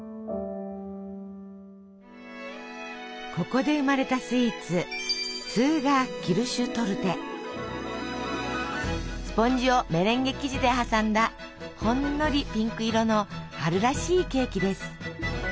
ここで生まれたスイーツスポンジをメレンゲ生地で挟んだほんのりピンク色の春らしいケーキです。